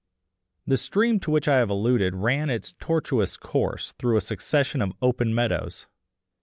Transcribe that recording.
The stream to which I have alluded ran its tortuous course through a succession of open meadows.